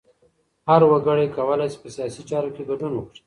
هر وګړی کولای سي په سياسي چارو کي ګډون وکړي.